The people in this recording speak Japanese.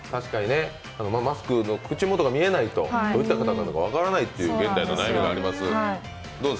マスクの口元が見えないと、どういった方なのか分からないという現代の悩みがあります。